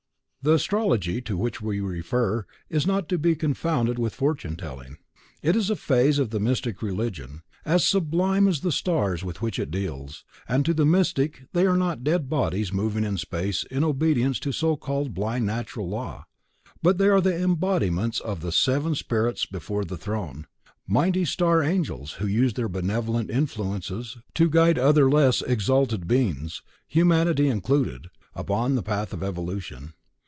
The Astrology to which we refer is not to be confounded with fortune telling; it is a phase of the Mystic Religion, as sublime as the stars with which it deals, and to the Mystic they are not dead bodies moving in space in obedience to so called blind natural law, but they are the embodiments of "The Seven Spirits before the Throne," mighty Star Angels who use their benevolent influences to guide other less exalted beings, humanity included, upon the path of evolution.